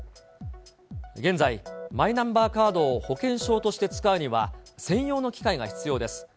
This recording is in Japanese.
現在、マイナンバーカードを保険証として使うには、専用の機械が必要です。